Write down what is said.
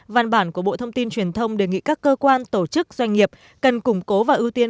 văn bản của bộ thông tin truyền thông đề nghị các cơ quan tổ chức doanh nghiệp cần củng cố và ưu tiên